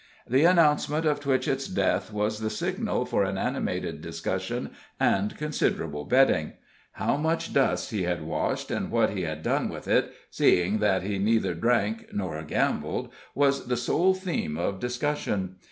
The announcement of Twitchett's death was the signal for an animated discussion and considerable betting. How much dust he had washed, and what he had done with it, seeing that he neither drank nor gambled, was the sole theme of discussion.